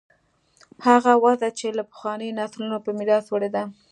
هغه وضع چې له پخوانیو نسلونو په میراث وړې ده.